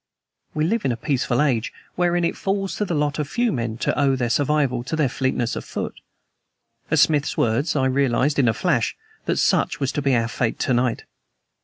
We live in a peaceful age, wherein it falls to the lot of few men to owe their survival to their fleetness of foot. At Smith's words I realized in a flash that such was to be our fate to night.